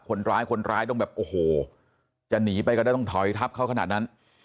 คนร้ายคนร้ายต้องแบบโอ้โหจะหนีไปก็ได้ต้องถอยทับเขาขนาดนั้น